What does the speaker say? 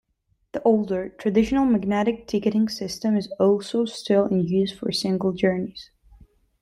The older, traditional magnetic ticketing system is also still in use for single journeys.